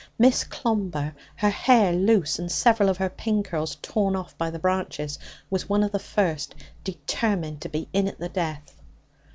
Miss Clomber, her hair loose and several of her pin curls torn off by the branches, was one of the first, determined to be in at the death.